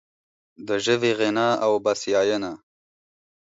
د ژبې غنا او بسیاینه